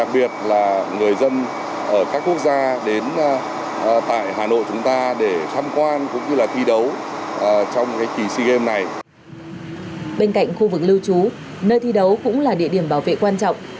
bên cạnh khu vực lưu trú nơi thi đấu cũng là địa điểm bảo vệ quan trọng